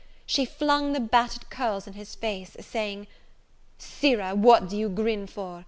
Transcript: She flung the battered curls in his face, saying, "Sirrah, what do you grin for?